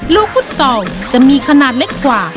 ฟุตซอลจะมีขนาดเล็กกว่า